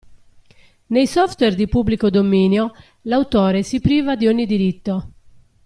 Nei software di pubblico dominio, l'autore si priva di ogni diritto.